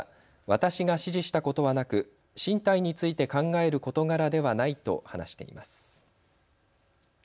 私が指示したことはなく進退について考える事柄ではないと話しています。